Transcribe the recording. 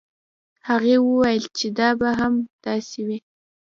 هغې وویل چې دا به هم داسې وي.